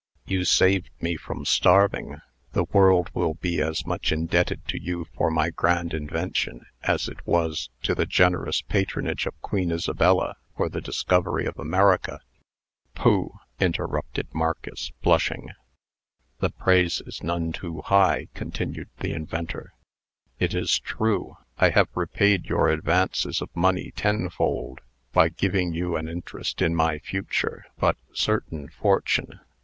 You saved me from starving. The world will be as much indebted to you for my grand invention, as it was to the generous patronage of Queen Isabella for the discovery of America." "Pooh!" interrupted Marcus, blushing. "The praise is none too high," continued the inventor. "It is true, I have repaid your advances of money tenfold, by giving you an interest in my future but certain fortune.